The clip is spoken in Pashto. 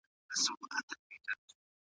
ایا اقتصادي پرمختیا ملي عاید زیاتوي؟